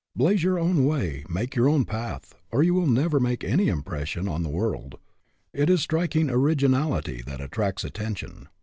Blaze your own way, make your own path, or you will never make any impression on the world. It is striking originality that attracts attention.